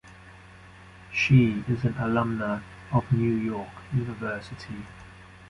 She is an alumna of New York University.